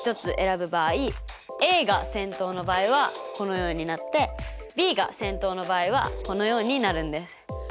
Ａが先頭の場合はこのようになってＢが先頭の場合はこのようになるんです。